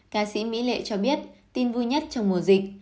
ca sĩ mỹ lệ cho biết tin vui nhất trong mùa dịch